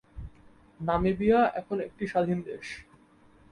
Namibia এখন একটি স্বাধীন দেশ।